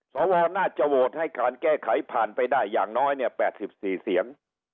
สวน่าจะโหวตให้การแก้ไขผ่านไปได้อย่างน้อยเนี่ย๘๔เสียง